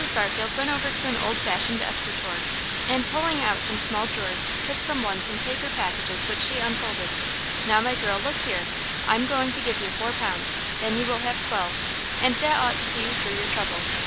Barfield went over to an old fashioned escritoire, and, pulling out some small drawers, took from one some paper packages which she unfolded. "Now, my girl, look here. I'm going to give you four pounds; then you will have twelve, and that ought to see you through your trouble.